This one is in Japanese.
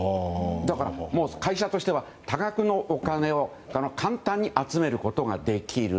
だから、会社としては多額のお金を簡単に集めることができる。